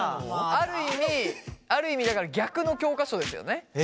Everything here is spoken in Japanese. ある意味ある意味だから逆の教科書ですよね。